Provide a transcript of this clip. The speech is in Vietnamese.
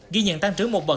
ghi nhận tăng trưởng một bậc